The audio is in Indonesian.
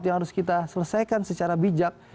yang harus kita selesaikan secara bijak